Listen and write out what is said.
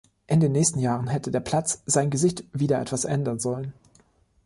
In den nächsten Jahren hätte der Platz sein Gesicht wieder etwas ändern sollen.